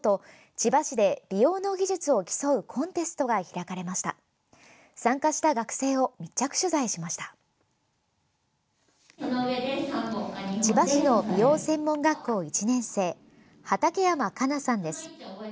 千葉市の美容専門学校１年生畠山香奈さんです。